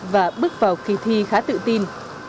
và bước vào kỳ thi khá tự tin